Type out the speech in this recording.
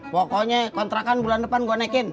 pokoknya kontrakan bulan depan gue naikin